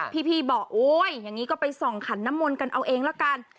พี่บอกโอ๊ยอย่างนี้ก็ไปส่องขันน้ำมนต์กันเอาเองละกัน